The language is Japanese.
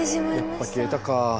やっぱ消えたか。